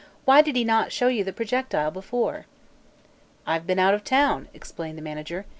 "Why did he not show you the projectile before?" "I have been out of town," explained the manager.